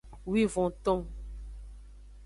Wivonton.